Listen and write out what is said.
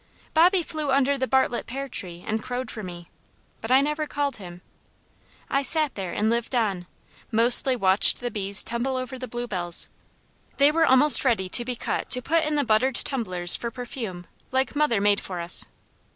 Bobby flew under the Bartlett pear tree and crowed for me, but I never called him. I sat there and lived on, and mostly watched the bees tumble over the bluebells. They were almost ready to be cut to put in the buttered tumblers for perfume, like mother made for us.